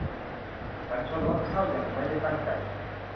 ฉันชนรถเช่าอย่างไม่ได้ตั้งใจ